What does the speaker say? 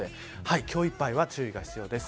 今日いっぱいは注意が必要です。